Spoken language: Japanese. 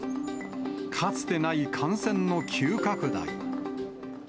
かつてない感染の急拡大。